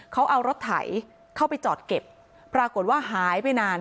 เขาเอารถไถเข้าไปจอดเก็บปรากฏว่าหายไปนาน